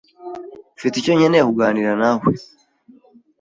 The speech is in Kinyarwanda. Mfite icyo nkeneye kuganira nawe.